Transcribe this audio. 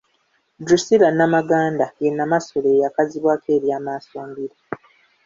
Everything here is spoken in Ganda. Drusilla Namaganda ye Namasole eyakazibwako erya Maasombira.